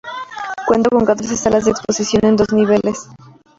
Cuenta con catorce salas de exposición en dos niveles.